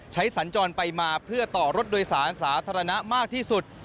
สัญจรไปมาเพื่อต่อรถโดยสารสาธารณะมากที่สุด